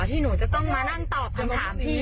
ที่หนูจะต้องมานั่งตอบคำถามพี่